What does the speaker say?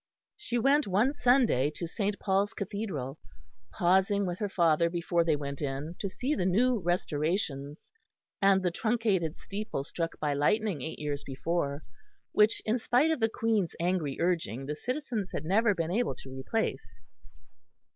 She went one Sunday to St. Paul's Cathedral, pausing with her father before they went in to see the new restorations and the truncated steeple struck by lightning eight years before, which in spite of the Queen's angry urging the citizens had never been able to replace.